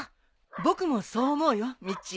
僕もそう思うよミッチー。